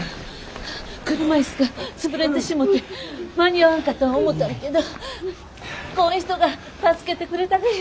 車椅子が潰れてしもて間に合わんかと思たんやけどこん人が助けてくれたがよ。